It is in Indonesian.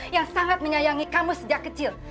yang sangat menyayangi kamu sejak kecil